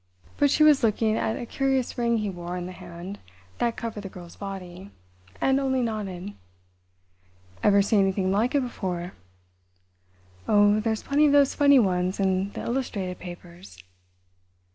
But she was looking at a curious ring he wore on the hand that covered the girl's body, and only nodded. "Ever seen anything like it before?" "Oh, there's plenty of those funny ones in the illustrated papers."